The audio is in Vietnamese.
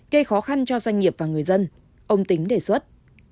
gây khó khăn cho doanh nghiệp và người dân ông tính đề xuất